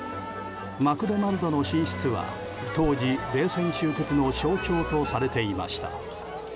マクドナルドの進出は当時冷戦終結の象徴とされていました。